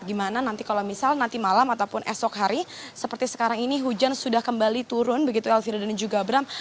gimana nanti kalau misal nanti malam ataupun esok hari seperti sekarang ini hujan sudah kembali turun begitu elvira dan juga abram